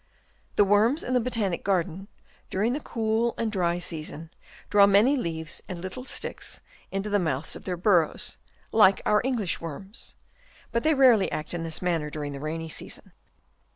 The worms in the Botanic garden, during the cool and dry season, draw many leaves and little sticks into the mouths of their burrows, like our English worms ; but they rarely act in this manner during the rainy season.